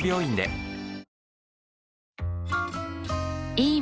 いい